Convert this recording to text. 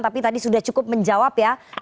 tapi tadi sudah cukup menjawab ya